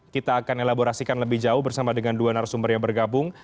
kita akan elaborasikan lebih jauh bersama dengan dua narasumber yang bergabung